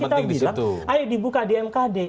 kan selalu kita bilang ayo dibuka di mkd